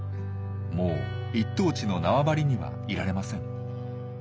もう一等地の縄張りにはいられません。